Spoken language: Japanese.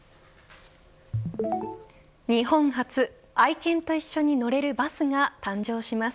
日本初、愛犬と一緒に乗れるバスが誕生します。